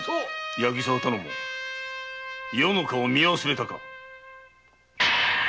八木沢頼母余の顔を見忘れたか。